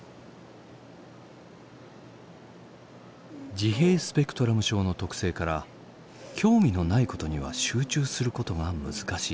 自閉スペクトラム症の特性から興味のないことには集中することが難しい。